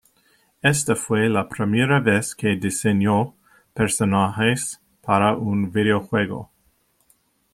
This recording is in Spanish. Esta fue la primera vez que diseñó personajes para un videojuego.